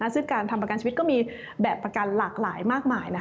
ซึ่งการทำประกันชีวิตก็มีแบบประกันหลากหลายมากมาย